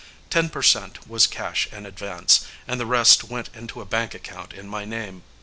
Ten per cent was cash in advance, and the rest went into a bank account in my name.